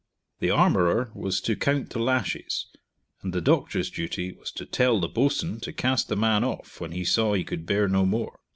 The armorer was to count the lashes, and the doctor's duty was to tell the boatswain to cast the man off when he saw he could bear no more.